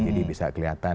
jadi bisa kelihatan